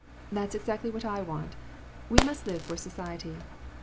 " That's exactly what I want. We must live for society."